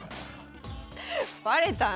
バレたな。